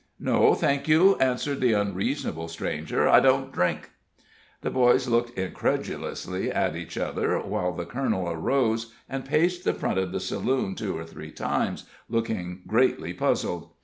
"No, thank you," answered the unreasonable stranger; "I don't drink." The boys looked incredulously at each other, while the colonel arose and paced the front of the saloon two or three times, looking greatly puzzled.